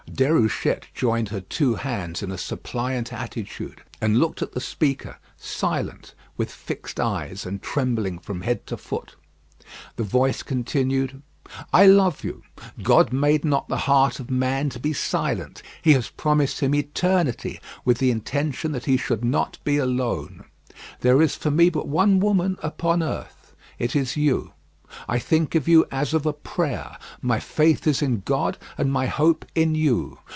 Déruchette joined her two hands in a suppliant attitude, and looked at the speaker, silent, with fixed eyes, and trembling from head to foot. The voice continued: "I love you. God made not the heart of man to be silent. He has promised him eternity with the intention that he should not be alone. There is for me but one woman upon earth. It is you. I think of you as of a prayer. My faith is in God, and my hope in you.